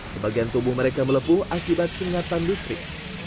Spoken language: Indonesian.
sebagian tubuh mereka melepuh akibat sengatan listrik